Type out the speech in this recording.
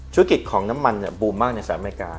ธุรกิจของน้ำมันบูมมากในสหรัฐอเมริกา